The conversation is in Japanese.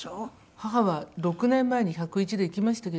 母は６年前に１０１で逝きましたけども。